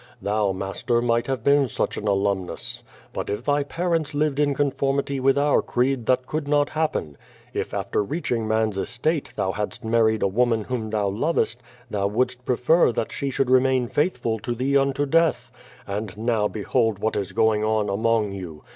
Thou, master, might have been such an alumnus. lUit if thy parents lived in conformity with our creed that could not happen. K after reaching man's estate thou hadst married a woman whom thou lovost, thou wouldst prefer that she should remain faithful to thee unto death. And now ])ehold what is going on among you!